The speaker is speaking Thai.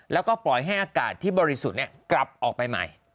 แล้วก็ปล่อยให้อากาศที่บริสุทธิ์กลับออกไปใหม่